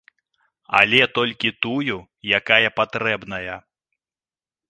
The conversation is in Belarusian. Але толькі тую, якая патрэбная.